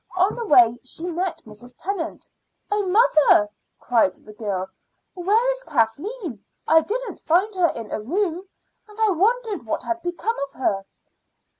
On the way she met Mrs. Tennant. "Oh, mother," cried the girl, "where is Kathleen? I didn't find her in her room, and I wondered what had become of her."